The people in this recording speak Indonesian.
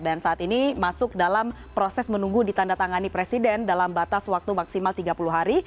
dan saat ini masuk dalam proses menunggu ditanda tangani presiden dalam batas waktu maksimal tiga puluh hari